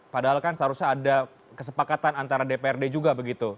padahal kan seharusnya ada kesepakatan antara dprd juga begitu